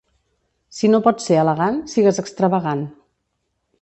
Si no pots ser elegant, sigues extravagant.